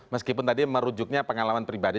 meskipun tadi merujuknya pengalaman pribadi